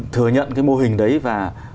thừa nhận cái mô hình đấy và